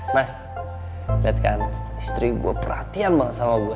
mas lihat kan istri gue perhatian banget sama gue